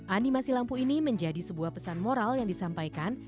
animasi lampu ini menjadi sebuah pesan moral yang disampaikan